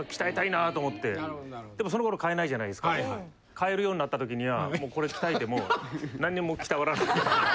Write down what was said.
買えるようになった時にはもうこれ鍛えても何も鍛わらない。